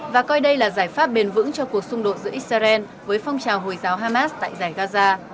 và coi đây là giải pháp bền vững cho cuộc xung đột giữa israel với phong trào hồi giáo hamas tại giải gaza